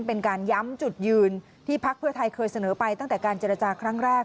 เป็นการย้ำจุดยืนที่พักเพื่อไทยเคยเสนอไปตั้งแต่การเจรจาครั้งแรก